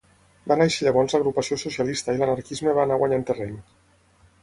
Va néixer llavors l'Agrupació Socialista i l'anarquisme va anar guanyant terreny.